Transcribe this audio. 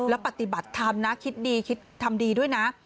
แล้วปฏิบัติธรรมนะคิดดีคิดทำดีด้วยนะ